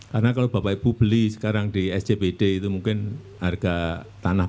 karena kalau bapak ibu beli sekarang di sjpd itu mungkin harga tanahnya